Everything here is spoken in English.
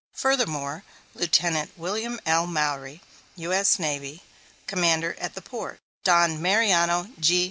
Furthermore, Lieut. William L. Maury, U.S.N., Commander at the port; Don Mariano G.